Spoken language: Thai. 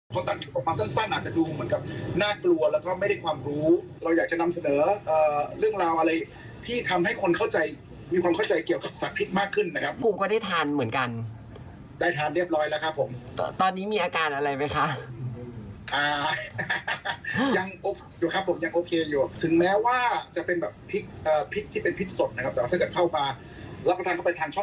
โจโฉโจโฉโจโฉโจโฉโจโฉโจโฉโจโฉโจโฉโจโฉโจโฉโจโฉโจโฉโจโฉโจโฉโจโฉโจโฉโจโฉโจโฉโจโฉโจโฉโจโฉโจโฉโจโฉโจโฉโจโฉโจโฉโจโฉโจโฉโจโฉโจโฉโจโฉโจโฉโจโฉโจโฉโจโฉโจโฉโจโฉโจโฉโจโฉโจโฉโจโฉโจโฉโจโฉโจโฉโ